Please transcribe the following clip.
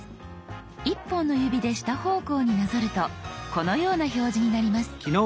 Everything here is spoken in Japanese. １本の指で下方向になぞるとこのような表示になります。